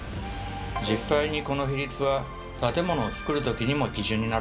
実際にこの比率は建物を造るときにも基準になるほどでした。